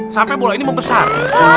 sampai bola ini membesar